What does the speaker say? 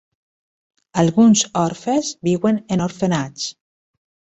Alguns orfes viuen en orfenats.